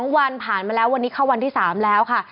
๒วันผ่านมาแล้ววันนี้เข้าวันที่๓แล้วค่ะ